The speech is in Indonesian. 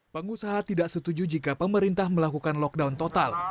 pengusaha tidak setuju jika pemerintah melakukan lockdown total